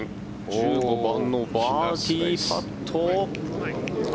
１５番のバーディーパット。